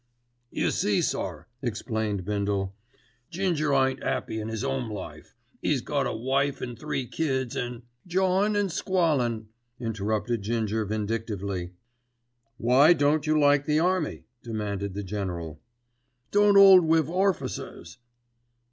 "You see, sir," explained Bindle, "Ginger ain't 'appy in 'is 'ome life. 'E's got a wife an' three kids and——" "Jawin' an' squallin'," interrupted Ginger vindictively. "Why don't you like the army?" demanded the General. "Don't 'old wiv orficers."